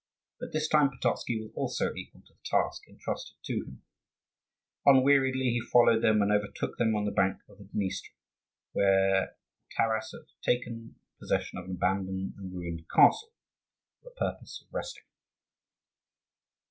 But this time Pototzky was also equal to the task intrusted to him; unweariedly he followed them, and overtook them on the bank of the Dniester, where Taras had taken possession of an abandoned and ruined castle for the purpose of resting.